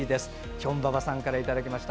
きょんばばさんからいただきました。